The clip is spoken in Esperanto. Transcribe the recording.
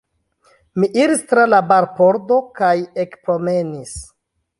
Mi iris tra la barpordo kaj ekpromenis.